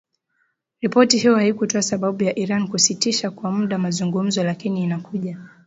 Ripoti hiyo haikutoa sababu ya Iran kusitisha kwa muda mazungumzo lakini inakuja